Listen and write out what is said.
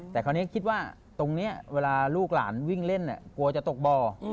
แต่คราวนี้คิดว่าตรงนี้เวลาลูกหลานวิ่งเล่นกลัวจะตกบ่อ